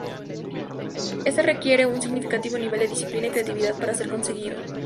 Este requiere un significativo nivel de disciplina y creatividad para ser conseguido.